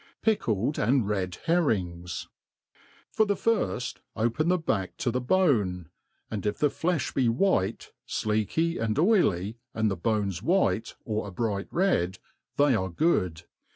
' Pickled and Rid Herrings. For the firft, open the back to the bone, and if the flefh be white, fleaky and oily, and the bone white, or a bright red, they are good.